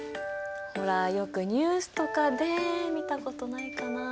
ほらよくニュースとかで見たことないかな？